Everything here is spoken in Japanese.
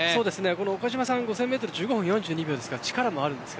岡島さんは５０００メートル１５分４２秒ですから力もあります。